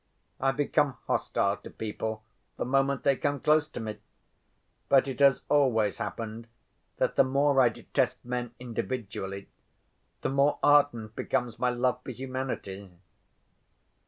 I become hostile to people the moment they come close to me. But it has always happened that the more I detest men individually the more ardent becomes my love for humanity.